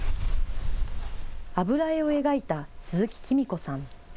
油絵を描いた鈴木喜美子さん。